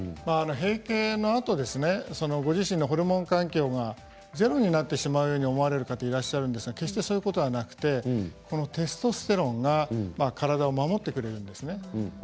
閉経のあとご自身のホルモン環境がゼロになってしまうように思われる方いらっしゃいますが決してそういうことはなくてテストステロンが体を守ってくれるんです。